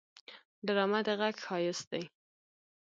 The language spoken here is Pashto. ډرامه د غږ ښايست دی